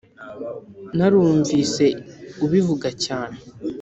Narumvise ubivuga cyane